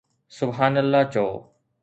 سبحان الله چئو